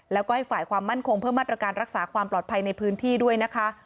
แล้วก็ให้ฝ่ายความมั่นคงเพิ่มมาตรการรักษาความปลอดภัยในพื้นที่ด้วยนะคะ